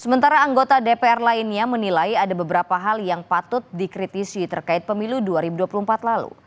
sementara anggota dpr lainnya menilai ada beberapa hal yang patut dikritisi terkait pemilu dua ribu dua puluh empat lalu